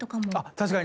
確かに。